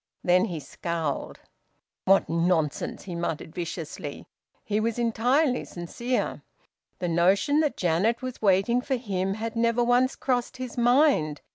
Then he scowled. "What nonsense!" he muttered viciously. He was entirely sincere. The notion that Janet was waiting for him had never once crossed his mind.